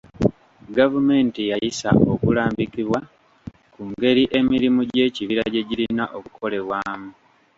Gavumenti yayisa okulambikibwa ku ngeri emirimu gy'ekibira gye girina okukolebwamu.